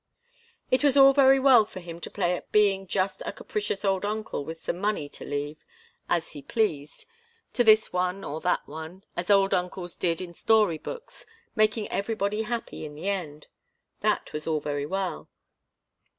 It was all very well for him to play at being just a capricious old uncle with some money to leave, as he pleased, to this one or that one, as old uncles did in story books, making everybody happy in the end. That was all very well.